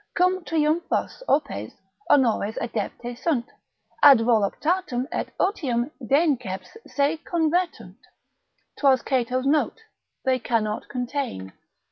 Cum triumphos, opes, honores adepti sunt, ad voluptatem et otium deinceps se convertunt: 'twas Cato's note, they cannot contain.